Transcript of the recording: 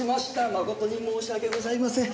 誠に申し訳ございません。